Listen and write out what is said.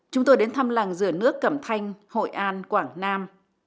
chúng tôi đến thăm làng rửa nước cẩm thanh hội an quảng nam